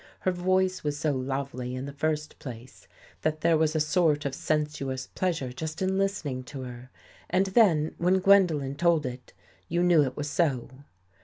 Her voice was so lovely in the first place, that there was a sort of sen suous pleasure just in listening to her. And then, when Gwendolen told it, you knew it was so.